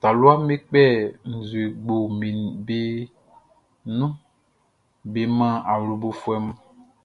Taluaʼm be kpɛ nzue gboʼn nun be man awlobofuɛ mun.